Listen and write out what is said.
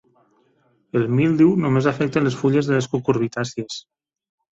El míldiu només afecta les fulles de les cucurbitàcies.